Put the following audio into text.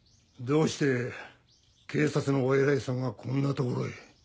どうして警察のお偉いさんがこんなところへ。